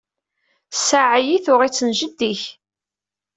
Ssaɛa-yi tuɣ-itt n jeddi-k.